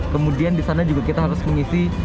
kemudian di sana juga kita harus mengisi